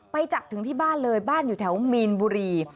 ไปจับถึงที่บ้านเลยบ้านอยู่แถวมีนบุรี